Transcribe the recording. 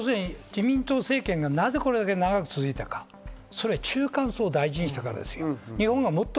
自民党政権がなぜこれだけ長く続いたか、それは中間層を大事にしたからです。